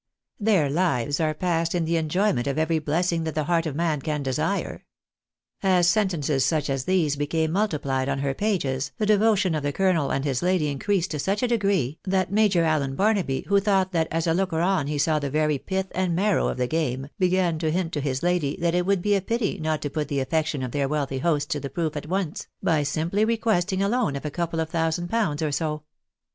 Their lives are passed in the enjoyment of every bless ing that the heart of man can desire." As sentences such as these became multiplied on her pages, the devotion of the colonel and his lady increased to such a degree, that Major Allen Barnaby, who thought that as a looker on he saw the very pith and marrow of the game, began to hint to his lady that it would be a pity not to put the affection of their wealthy hosts to the proof at once, by simply requesting a loan of a couple of thousand pounds or so.